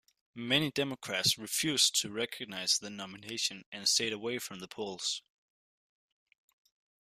Many Democrats refused to recognize the nomination and stayed away from the polls.